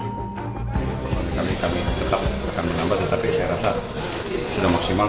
tetap kami nambah tetapi saya rasa sudah maksimal